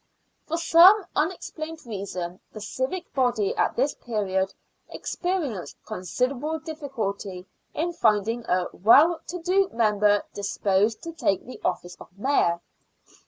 For some unexplained reason, the civic body at this period experienced considerable difficulty in finding a well to do member disposed to take the office of Mayor.